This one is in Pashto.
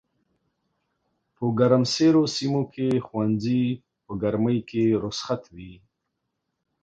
په ګرمسېرو سيمو کښي ښوونځي په ګرمۍ کي رخصت وي